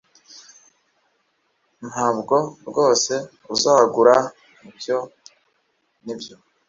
Ntabwo rwose uzagura ibyo nibyo